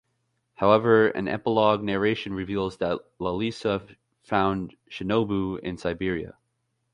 However, an epilogue narration reveals that Lalissa found Shinobu in Siberia.